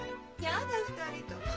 やだ２人とも。